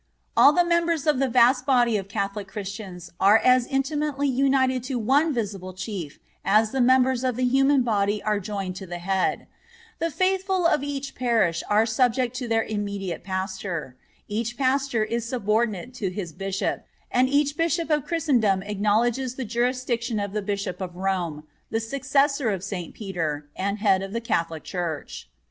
All the members of the vast body of Catholic Christians are as intimately united to one visible Chief as the members of the human body are joined to the head. The faithful of each Parish are subject to their immediate Pastor. Each Pastor is subordinate to his Bishop, and each Bishop of Christendom acknowledges the jurisdiction of the Bishop of Rome, the successor of St. Peter, and Head of the Catholic Church.